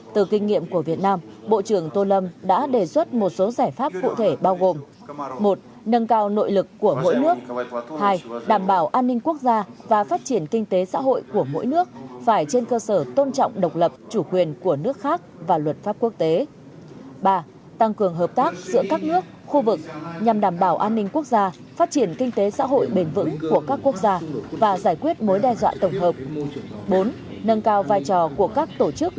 từ kinh nghiệm của việt nam bộ trưởng tô lâm đã đề xuất một số giải pháp cụ thể bao gồm một nâng cao nội lực của mỗi nước hai đảm bảo an ninh quốc gia và phát triển kinh tế xã hội của mỗi nước phải trên cơ sở tôn trọng độc lập chủ quyền của nước khác và luật pháp quốc tế ba tăng cường hợp tác giữa các nước khu vực nhằm đảm bảo an ninh quốc gia phát triển kinh tế xã hội bền vững của các quốc gia và giải quyết mối đe dọa tổng hợp bốn nâng cao vai trò của các tổ chức